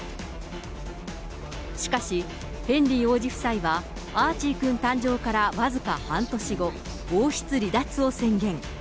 しかし、ヘンリー王子夫妻はアーチーくん誕生から僅か半年後、王室離脱を宣言。